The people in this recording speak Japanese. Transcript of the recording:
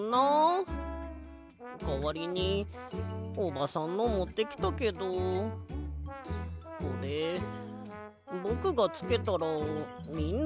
かわりにおばさんのもってきたけどこれぼくがつけたらみんなわらうかな？